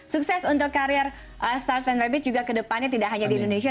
sukses untuk karier star strayed beat juga kedepannya tidak hanya di indonesia